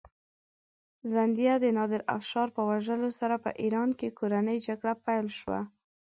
زندیه د نادرافشار په وژلو سره په ایران کې کورنۍ جګړه پیل شوه.